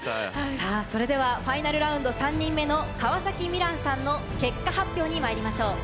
さぁファイナルラウンド３人目の川嵜心蘭さんの結果発表にまいりましょう。